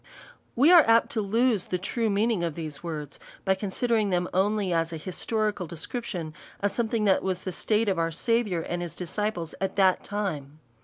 We are apt to lose the true meaning; of these words, by considering them only as an historical de scription of something that was the state of our Sa viour and his disciples at that time.